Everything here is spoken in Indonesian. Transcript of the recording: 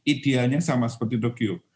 idealnya sama seperti tokyo